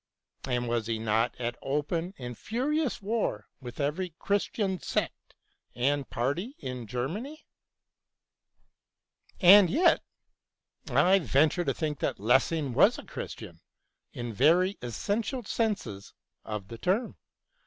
And was he not at open and furious war with every Christian sect and party in Germany ?" 229 230 BROWNING AND LESSING And yet I venture to think that Lessing was a Christian in very essential senses of the term.